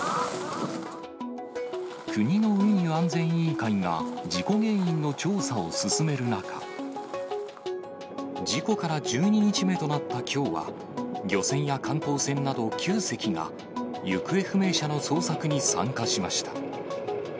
国の運輸安全委員会が事故原因の調査を進める中、事故から１２日目となったきょうは、漁船や観光船など９隻が、行方不明者の捜索に参加しました。